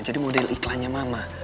jadi model iklannya mama